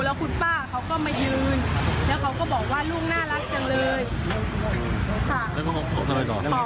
แล้วคุณป้าเขาก็มายืนแล้วเขาก็บอกว่าลูกน่ารักจังเลยค่ะ